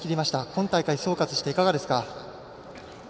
今大会、総括していかがですか？